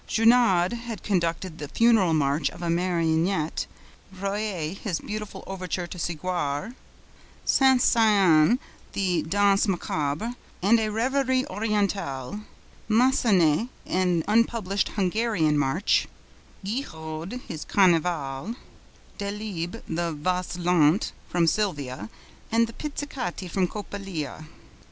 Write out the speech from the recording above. Gounod had conducted the Funeral March of a Marionnette; Reyer, his beautiful overture to Siguar; Saint Saens, the Danse Macabre and a Reverie Orientale; Massenet, an unpublished Hungarian march; Guiraud, his Carnaval; Delibes, the Valse Lente from Sylvia and the Pizzicati from Coppelia.